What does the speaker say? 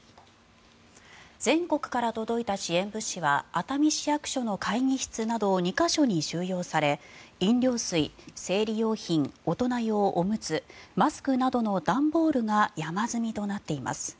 全国から届いた支援物資は熱海市役所の会議室など２か所に収容され、飲料水、生理用品大人用おむつ、マスクなどの段ボールが山積みとなっています。